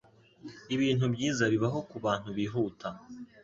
Ibintu byiza bibaho kubantu bihuta.